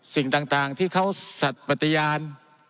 สิ่งต่างที่เขาศัตราปัตยาน